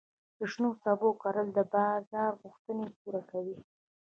د شنو سبزیو کرل د بازار غوښتنې پوره کوي.